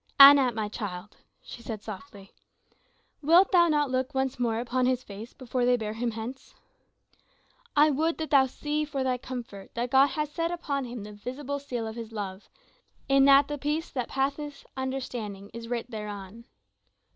"Anat, my child," she said, softly. "Wilt thou not look once more upon his face before they bear him hence. I would that thou see for thy comfort that God hath set upon him the visible seal of his love, in that the peace that passeth understanding is writ thereon."